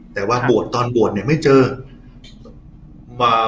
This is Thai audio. แต่ว่าบวชที่บวชไปตอนบวชไม่เจอ